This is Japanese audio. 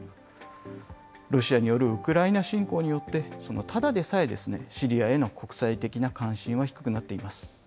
ロシアによるウクライナ侵攻によって、ただでさえ、シリアへの国際的な関心は低くなっています。